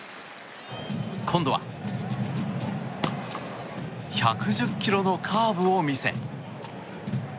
今度は１１０キロのカーブを見せ。